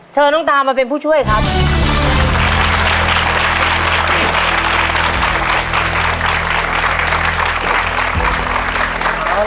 เชิญน้องตามาเป็นผู้ช่วยครับ